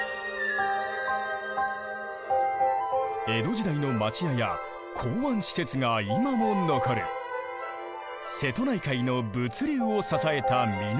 江戸時代の町屋や港湾施設が今も残る瀬戸内海の物流を支えた港だ。